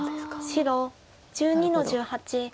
白１２の十八ツケ。